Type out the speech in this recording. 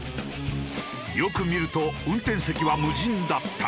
よく見ると運転席は無人だった。